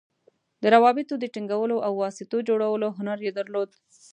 د روابطو د ټینګولو او واسطو جوړولو هنر یې درلود.